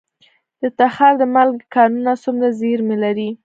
د تخار د مالګې کانونه څومره زیرمې لري؟